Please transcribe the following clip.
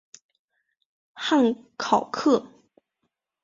汉考克。